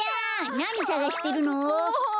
なにさがしてるの？